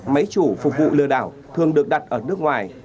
máy chủ phục vụ lừa đảo thường được đặt ở nước ngoài